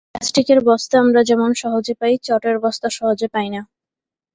প্লাস্টিকের বস্তা আমরা যেমন সহজে পাই, চটের বস্তা সহজে পাই না।